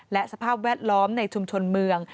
และสภาพแวดล้อมในชุมชนเมือง